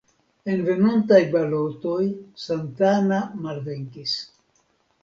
En venontaj balotoj Santana malvenkis.